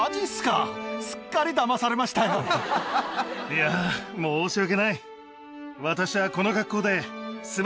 いや申し訳ない。